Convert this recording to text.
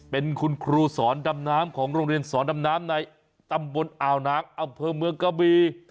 เป็นคุณครูสอนดำน้ำของโรงเรียนสอนดำน้ำในตำบลอ่าวนางอำเภอเมืองกะบี